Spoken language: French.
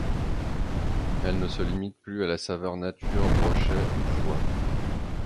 Elle ne se limite plus à la saveur nature, brochet, ou foie.